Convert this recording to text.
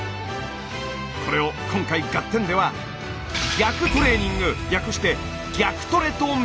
これを今回「ガッテン！」では逆トレーニング略して「逆トレ」と命名！